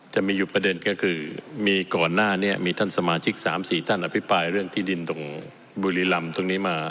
จะมีอยู่ประเด็นก็คือมีก่อนหน้านี้มีท่านสมาชิก๓๔ท่านอภิปรายเรื่องที่ดินตรงบุรีรำตรงนี้มา